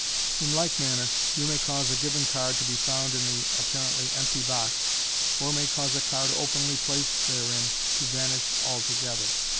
In like manner, you may cause a given card to be found in the appa rently empty box, or may cause a card openly placed therein to vanish altogether.